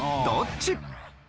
どっち？